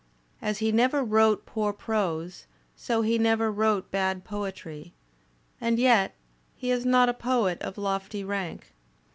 As he never wrote poor prose, so he never wrote bad poetry. And yet — he is not a poet of lofty rank.